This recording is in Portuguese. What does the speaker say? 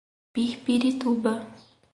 Pirpirituba